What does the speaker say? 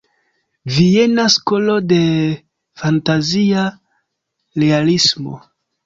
Viena skolo de fantazia realismo.